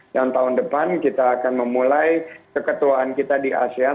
dan tahun depan kita akan memulai keketuaan kita di asean